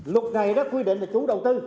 luật này đã quy định là chủ đầu tư